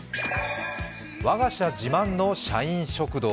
「我が社自慢の社員食堂」。